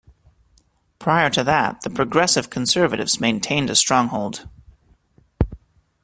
Prior to that, the Progressive Conservatives maintained a stronghold.